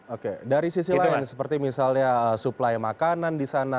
oke dari sisi lain seperti misalnya suplai makanan di sana